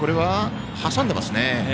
挟んでいますね。